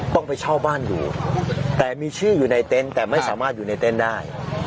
ต้องไปเช่าบ้านอยู่แต่มีชื่ออยู่ในเต็นต์แต่ไม่สามารถอยู่ในเต็นต์ได้